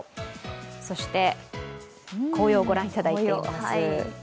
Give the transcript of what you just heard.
そして紅葉を御覧いただいています。